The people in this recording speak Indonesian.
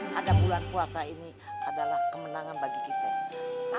pada bulan puasa ini adalah kemenangan bagi kita